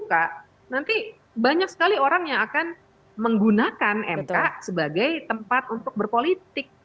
nanti banyak sekali orang yang akan menggunakan mk sebagai tempat untuk berpolitik